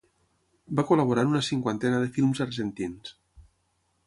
Va col·laborar en una cinquantena de films argentins.